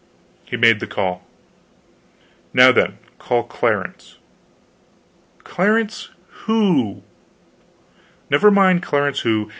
He made the call. "Now, then, call Clarence." "Clarence who?" "Never mind Clarence who.